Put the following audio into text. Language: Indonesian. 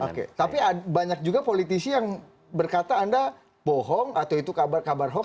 oke tapi banyak juga politisi yang berkata anda bohong atau itu kabar kabar hoax